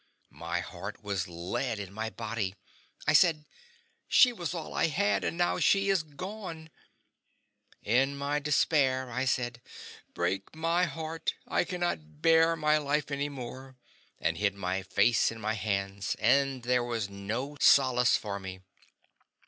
My heart was lead in my body! I said, "She was all I had, and now she is gone!" In my despair I said, "Break, my heart; I cannot bear my life any more!" and hid my face in my hands, and there was no solace for me.